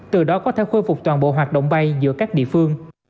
từ đó có thể khôi phục toàn bộ hoạt động bay giữa các địa phương